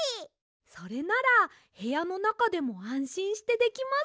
それならへやのなかでもあんしんしてできます。